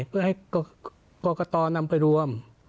เพื่อให้กรกตนำไปรวม